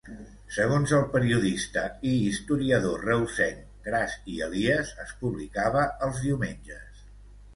Segons el periodista i historiador reusenc Gras i Elies es publicava els diumenges.